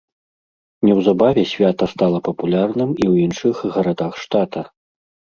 Неўзабаве свята стала папулярным і ў іншых гарадах штата.